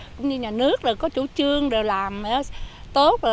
cũng như nhà nước có chủ trương làm tốt